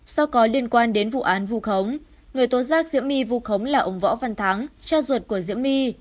sau có liên quan đến vụ án vụ khống người tố giác diễm my vụ khống là ông võ văn thắng cha ruột của diễm my